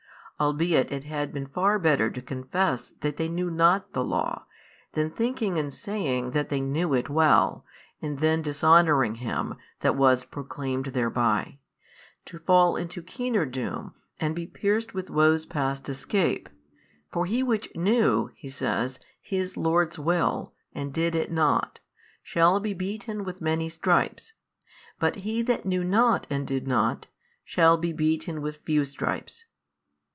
Albeit it had been far better to confess that they knew not the Law, than thinking and saying that they knew it well, and then dishonouring Him That was proclaimed thereby, to fall into keener doom and be pierced with woes past escape. For he which knew, (He says) his Lord's will and did it not, shall be beaten with many stripes, but he that knew not and did not, shall be beaten with few stripes.